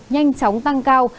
nhanh chóng tăng cao